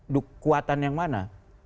dukkuatan yang mana